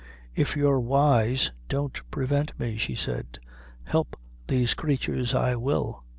"If you're wise, don't prevent me," she said. "Help these creatures I will.